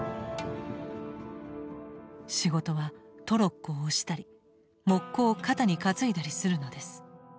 「仕事はトロッコを押したりモッコを肩に担いだりするのです。